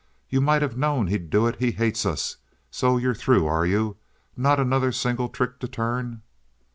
You might have known he'd do it. He hates us. So you're through, are you?—not another single trick to turn?"